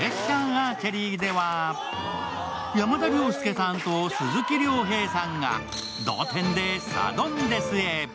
アーチェリーでは山田涼介さんと鈴木亮平さんが同点でサドンデスへ。